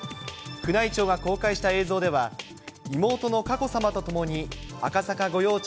宮内庁が公開した映像では、妹の佳子さまと共に、赤坂御用地